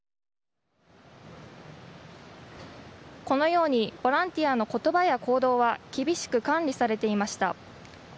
このようにボランティアの言葉や行動は厳しく管理されていました。